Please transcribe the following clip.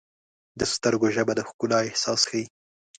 د سترګو ژبه د ښکلا احساس ښیي.